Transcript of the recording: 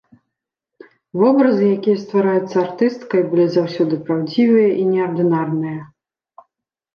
Вобразы, якія ствараюцца артысткай, былі заўсёды праўдзівыя і неардынарныя.